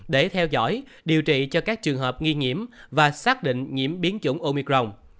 để theo dõi điều trị cho các trường hợp nghi nhiễm và xác định nhiễm biến chủng omicron